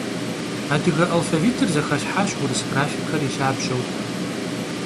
Адыгэ алфавитыр зэхэлъхьащ урыс графикэр и лъабжьэу.